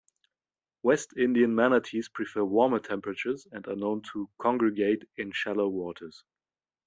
West Indian manatees prefer warmer temperatures and are known to congregate in shallow waters.